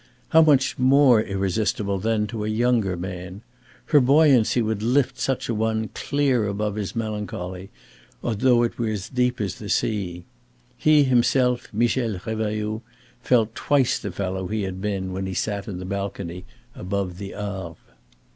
How much more irresistible then to a younger man. Her buoyancy would lift such an one clear above his melancholy, though it were deep as the sea. He himself, Michel Revailloud, felt twice the fellow he had been when he sat in the balcony above the Arve.